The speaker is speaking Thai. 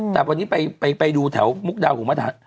แต่วันนี้ไปดูที่มุกดาหุ่นพัทธาน